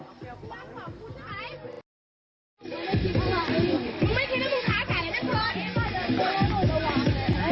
กลับไป